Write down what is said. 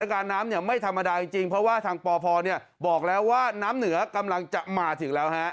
การน้ำเนี่ยไม่ธรรมดาจริงเพราะว่าทางปพบอกแล้วว่าน้ำเหนือกำลังจะมาถึงแล้วฮะ